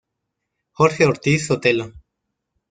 Jorge Ortiz Sotelo.